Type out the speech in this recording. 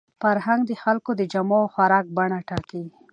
فرهنګ د خلکو د جامو او خوراک بڼه ټاکي.